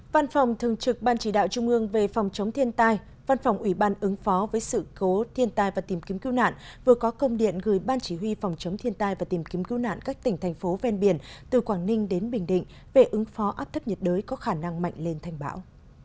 văn phòng thường trực ban chỉ đạo trung ương về phòng chống thiên tai văn phòng ủy ban ứng phó với sự cố thiên tai và tìm kiếm cứu nạn vừa có công điện gửi ban chỉ huy phòng chống thiên tai và tìm kiếm cứu nạn các tỉnh thành phố ven biển từ quảng ninh đến bình định về ứng phó áp thấp nhiệt đới có khả năng mạnh lên thành bão